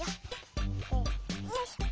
よいしょ。